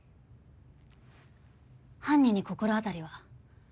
犯人に心当たりは？